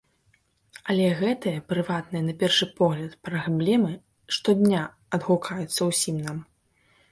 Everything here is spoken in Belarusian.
Але гэтыя, прыватныя на першы погляд, праблемы штодня адгукаюцца ўсім нам.